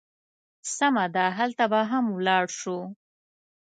سمه ده، هلته به هم ولاړ شو.